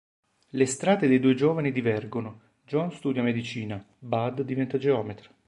Le strade dei due giovani divergono: John studia medicina, Bud diventa geometra.